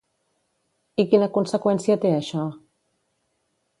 I quina conseqüència té això?